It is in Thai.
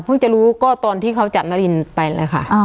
เพิ่งจะรู้ก็ตอนที่เขาจำนรินไปเลยค่ะอ้าว